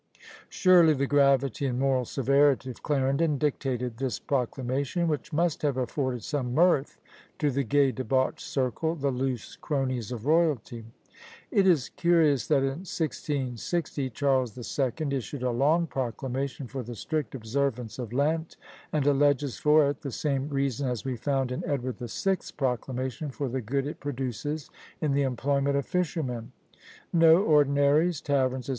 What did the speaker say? Surely the gravity and moral severity of Clarendon dictated this proclamation! which must have afforded some mirth to the gay, debauched circle, the loose cronies of royalty! It is curious that, in 1660, Charles the Second issued a long proclamation for the strict observance of Lent, and alleges for it the same reason as we found in Edward the Sixth's proclamation, "for the good it produces in the employment of fishermen" No ordinaries, taverns, &c.